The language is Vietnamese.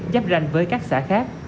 giáp ranh với các xã khác